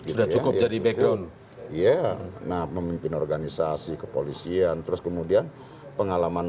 sudah cukup jadi background iya nah memimpin organisasi kepolisian terus kemudian pengalaman